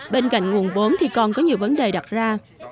bên cạnh nguồn vốn thì còn có nhiều vấn đề đặt ra